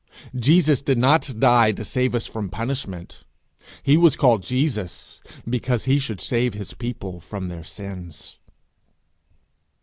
Jesus did not die to save us from punishment; he was called Jesus because he should save his people from their sins.